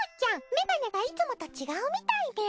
メガネがいつもと違うみたいみゃ。